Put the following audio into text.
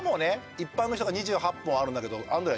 一般の人が２８本あるんだけど。